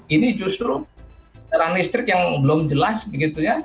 ini justru terang listrik yang belum jelas gitu ya